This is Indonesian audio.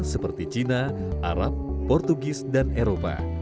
seperti china arab portugis dan eropa